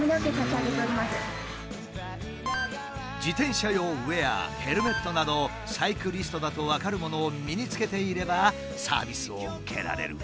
自転車用ウェアヘルメットなどサイクリストだと分かるものを身につけていればサービスを受けられる。